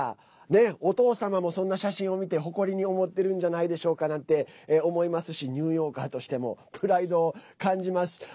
お父様もそんな写真を見て誇りに思ってるんじゃないでしょうかなんて思いますしニューヨーカーとしてもプライドを感じます。